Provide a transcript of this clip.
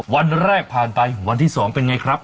วันแรกผ่านไปวันที่๒เป็นไงครับ